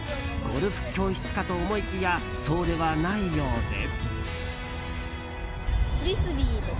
ゴルフ教室かと思いきやそうではないようで。